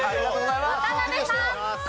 渡辺さん。